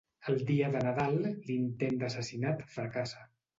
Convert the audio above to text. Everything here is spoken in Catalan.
El dia de Nadal, l'intent d'assassinat fracassa.